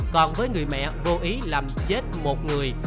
còn với người mẹ vô ý làm chết một người